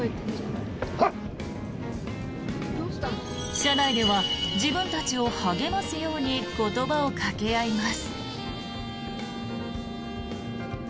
車内では自分たちを励ますように言葉をかけ合います。